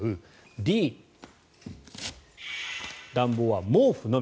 Ｄ、暖房は毛布のみ。